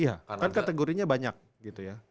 iya kan kategorinya banyak gitu ya